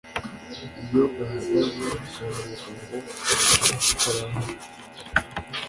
iyo gahagaze karuhuka ngo karanywa,